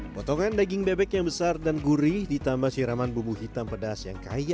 potongan daging bebek yang besar dan gurih ditambah siraman bumbu hitam pedas yang kaya